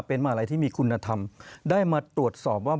เป็นมาลัยที่มีคุณธรรมได้มาตรวจสอบว่า